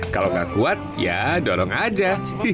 kalau gak kuat ya dorong aja